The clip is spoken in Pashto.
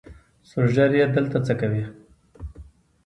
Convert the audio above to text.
سور ږیریه دلته څۀ کوې؟